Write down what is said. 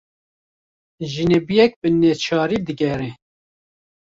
Jinebiyek bi neçarî diğere